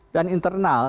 sembilan belas dan internal